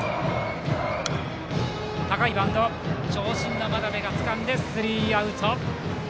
長身の真鍋がつかんでスリーアウト。